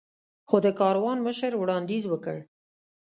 خو د کاروان مشر وړاندیز وکړ.